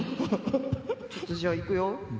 ちょっとじゃあいくよ。